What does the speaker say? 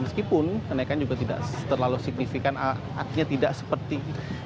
meskipun kenaikan juga tidak terlalu signifikan artinya tidak seperti